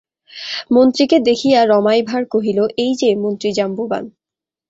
মন্ত্রীকে দেখিয়া রমাই ভাঁড় কহিল, এই যে মন্ত্রী জাম্বুবান।